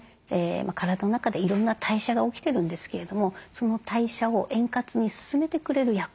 体の中でいろんな代謝が起きてるんですけれどもその代謝を円滑に進めてくれる役割